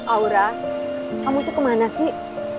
aura kamu tuh kemana sih